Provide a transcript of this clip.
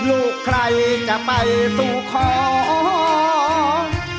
ลูกใครจะไปสู่ของ